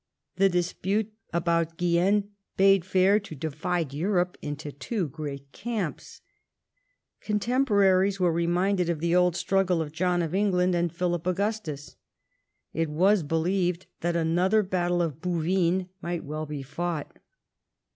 The dispute about Guienne bade fair to divide Europe into tAvo great camps. Contemporaries Avere reminded of the old struggle of John of England and Philip Augustus. It was believed that another battle of Bouvines might well be fought.